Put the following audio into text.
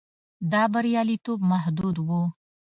دا بریالیتوب محدود و.